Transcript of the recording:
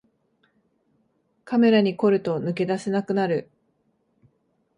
カメラに凝ると抜け出せなくなる